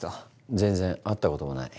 全然会ったこともない。